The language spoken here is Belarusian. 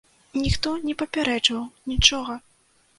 Ніхто не папярэджваў, нічога!